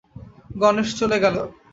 গণেশ চলে গেল।